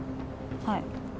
はい。